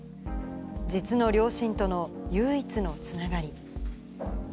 実の両親との唯一のつながり。